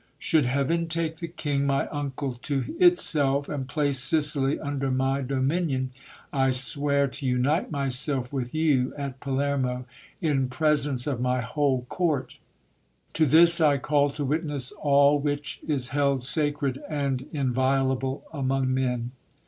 Should heaven take the king my uncle to itself, and place Sicily under my do minion, I swear to unite myself with you at Palermo, in presence of my whole court. To this I call to witness all which is held sacred and inviolable among men.